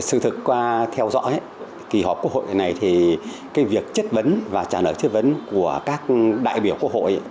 sự thực qua theo dõi kỳ họp quốc hội này thì cái việc chất vấn và trả lời chất vấn của các đại biểu quốc hội